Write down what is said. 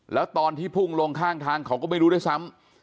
แล้วตอนที่พุ่งลงข้างทางเขาก็ไม่รู้ด้วยซ้ำ